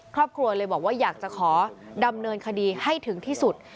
ครอบครัวเลยบอกว่าอยากจะขอดำเนินคดีให้ถึงที่สุด